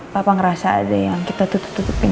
papa ngerasa ada yang kita tutup tutupin dari dia